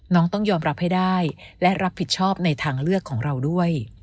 ต้องยอมรับให้ได้และรับผิดชอบในทางเลือกของเราด้วย